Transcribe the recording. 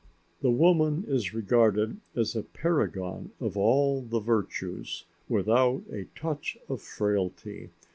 The woman is regarded as a paragon of all the virtues, without a touch of frailty.